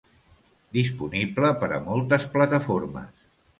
Disponible per a moltes plataformes.